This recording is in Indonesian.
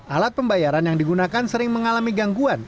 alat pembayaran yang digunakan sering mengalami gangguan